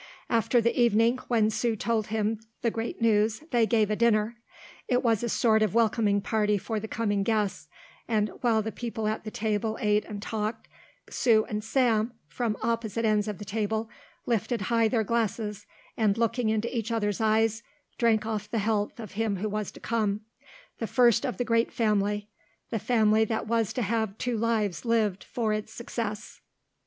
After the evening when Sue told him the great news they gave a dinner. It was a sort of welcoming party for the coming guest, and, while the people at the table ate and talked, Sue and Sam, from opposite ends of the table, lifted high their glasses and, looking into each other's eyes, drank off the health of him who was to come, the first of the great family, the family that was to have two lives lived for its success.